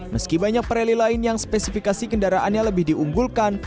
meski banyak rally lain yang spesifikasi kendaraannya lebih diunggulkan